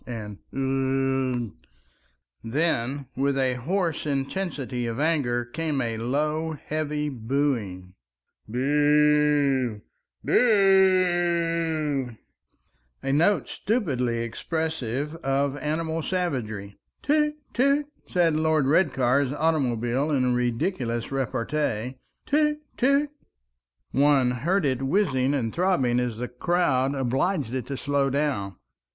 and "Ugh!" Then with a hoarse intensity of anger came a low heavy booing, "Boo! boo—oo!" a note stupidly expressive of animal savagery. "Toot, toot!" said Lord Redcar's automobile in ridiculous repartee. "Toot, toot!" One heard it whizzing and throbbing as the crowd obliged it to slow down.